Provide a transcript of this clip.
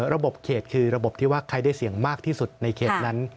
ระบบเขตคือระบบที่ว่าใครได้เสี่ยงมากที่สุดในเขตนั้น